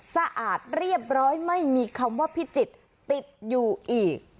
สะอาดเรียบร้อยไม่มีคำว่าพิจิตรติดอยู่อีก